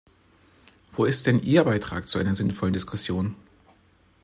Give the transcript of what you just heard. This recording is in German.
Wo ist denn Ihr Beitrag zu einer sinnvollen Diskussion?